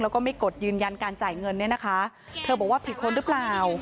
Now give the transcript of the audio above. แล้วก็ไม่กดยืนยันการจ่ายเงินเนี่ยนะคะเธอบอกว่าผิดคนหรือเปล่า